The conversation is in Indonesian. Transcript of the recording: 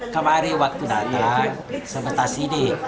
kemari waktu datang sebetas ini